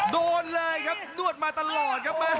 โดนเลยครับนวดมาตลอดครับ